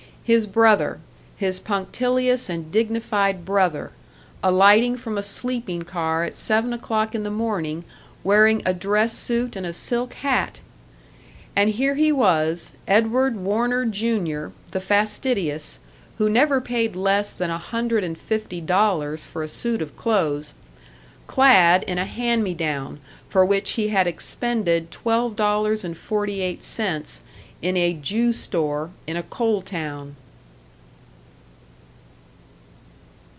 His brother, his punctilious and dignified brother, alighting from a sleeping car at seven o'clock in the morning, wearing a dress suit and a silk hat! And here he was, Edward Warner Junior, the fastidious, who never paid less than a hundred and fifty dollars for a suit of clothes, clad in a "hand me down" for which he had expended twelve dollars and forty eight cents in a "Jew store" in a coal town!